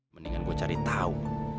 mendingan gue cari tahu